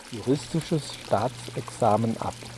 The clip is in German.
Juristisches Staatsexamen ab.